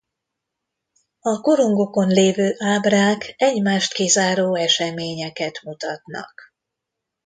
A korongokon lévő ábrák egymást kizáró eseményeket mutatnak.